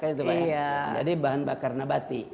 jadi bahan bakar nabati